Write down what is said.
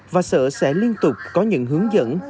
và sở sẽ liên tục có những hướng dẫn